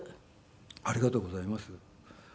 ありがとうございます。